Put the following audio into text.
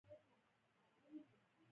ازادي راډیو د د کار بازار کیسې وړاندې کړي.